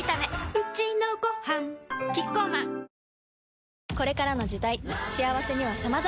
うちのごはんキッコーマンあっおぉ。